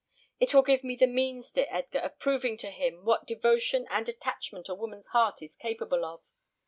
"It will give me the means, dear Edgar, of proving to him what devotion and attachment a woman's heart is capable of.